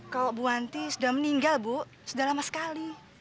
kalau bu wanti sudah meninggal bu sudah lama sekali